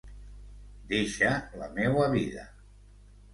Deixa la meua vida.